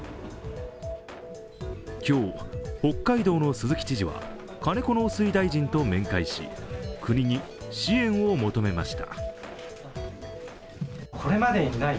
今日、北海道の鈴木知事は金子農水大臣と面会し国に支援を求めました。